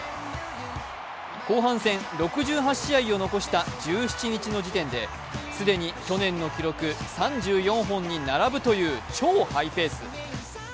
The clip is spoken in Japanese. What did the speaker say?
後半戦６８試合を残した１７日の時点で既に去年の記録３４本に並ぶという超ハイペース。